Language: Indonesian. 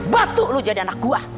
batu lu jadi anak gua